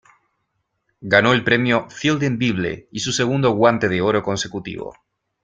Ganó el Premio Fielding Bible y su segundo Guante de Oro consecutivo.